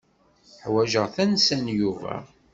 Ḥwajeɣ tansa n Yuba.